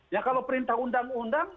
ya kalau perintah undang undang